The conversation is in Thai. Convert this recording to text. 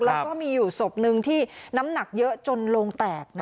แล้วก็มีอยู่ศพนึงที่น้ำหนักเยอะจนโลงแตก